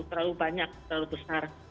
terlalu banyak terlalu besar